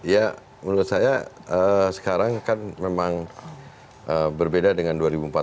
ya menurut saya sekarang kan memang berbeda dengan dua ribu empat belas